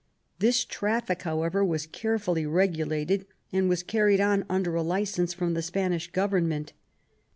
This traffic, however, was carefully regulated and was carried on under a licence from the Spanish Government.